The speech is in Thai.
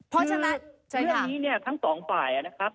เพราะฉะนั้นเรื่องนี้เนี่ยทั้งสองฝ่ายนะครับ